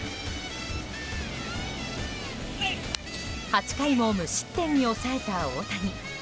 ８回も無失点に抑えた大谷。